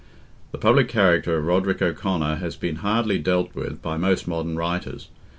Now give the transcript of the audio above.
The public character of Roderick O'Conor has been hardly dealt with by most modern writers.